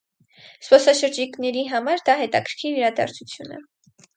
Զբոսաշրջիկների համար դա հետաքրքիր իրադարձություն է։